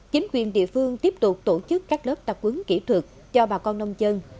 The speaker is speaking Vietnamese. chính quyền địa phương tiếp tục tổ chức các lớp tập quấn kỹ thuật cho bà con nông dân